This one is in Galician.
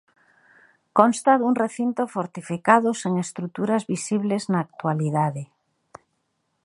Consta dun recinto fortificado sen estruturas visibles na actualidade.